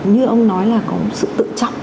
như ông nói là có sự tự trọng